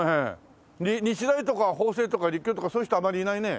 日大とか法政とか立教とかそういう人はあまりいないね。